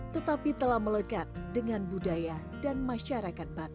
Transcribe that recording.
tetapi telah melekat dengan budaya dan masyarakat bata